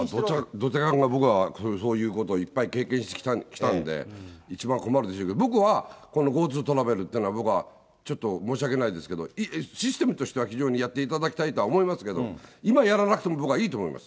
ドタキャン、僕はそういうことをいっぱい経験したんで、一番困るでしょうけど、僕は、このＧｏＴｏトラベルっていうのは、僕はちょっと申し訳ないですけど、システムとしては非常にやっていただきたいと思いますけど、今やらなくても僕はいいと思います。